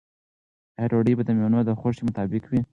آیا ډوډۍ به د مېلمنو د خوښې مطابق وي؟